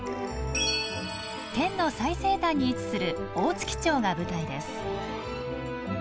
県の最西端に位置する大月町が舞台です。